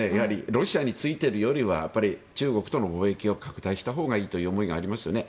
ロシアについているよりは中国との貿易を拡大したほうがいいという思いがありますよね。